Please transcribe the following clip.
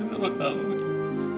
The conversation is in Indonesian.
jangan lupa kembali merekam aku